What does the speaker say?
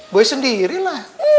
boy sendiri lah